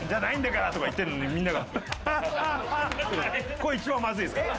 これ一番まずいですから。